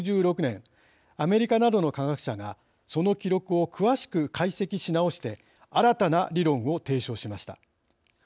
アメリカなどの科学者がその記録を詳しく解析し直して新たな理論を提唱しました。